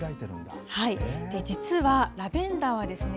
実はラベンダーはですね